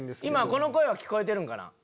今この声は聞こえてるんかな？